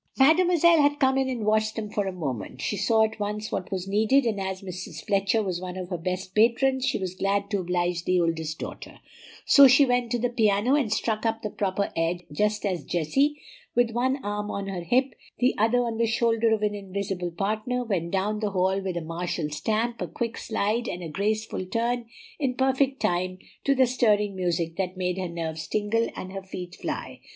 Mademoiselle had come in and watched them for a moment. She saw at once what was needed, and as Mrs. Fletcher was one of her best patrons, she was glad to oblige the oldest daughter; so she went to the piano and struck up the proper air just as Jessie, with one arm on her hip, the other on the shoulder of an invisible partner, went down the hall with a martial stamp, a quick slide, and a graceful turn, in perfect time to the stirring music that made her nerves tingle and her feet fly.